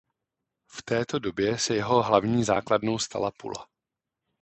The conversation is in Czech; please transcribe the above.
V této době se jeho hlavní základnou stala Pula.